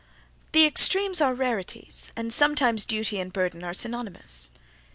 The extremes are rarities, and sometimes duty and burden are synonymous.